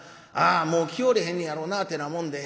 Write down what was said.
あもう来よれへんねやろなってなもんで。